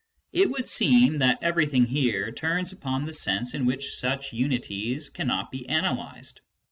It would seem that everything here turns upon the sense in which such unities cannot be analysed.